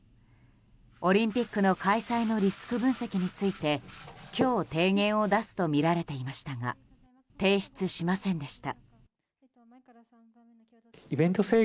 オリンピックの開催のリスク分析について今日、提言を出すとみられていましたが提出しませんでした。